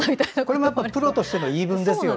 これもプロとしての言い分ですよね。